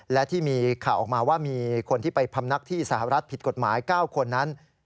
และที่มีข่าวออกมาว่ามีคนที่ไปพำนักที่สหรัฐผิดกฎหมาย๙คนนั้น